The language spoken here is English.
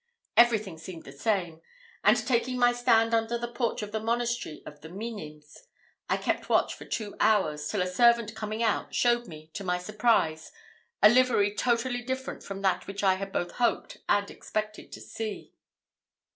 Everything seemed the same; and, taking my stand under the porch of the monastery of the Minims, I kept watch for two hours, till a servant coming out, showed me, to my surprise, a livery totally different from that which I had both hoped and expected to see.